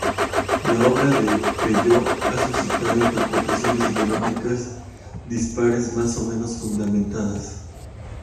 La obra de Peyo ha suscitado interpretaciones ideológicas dispares, más o menos fundamentadas.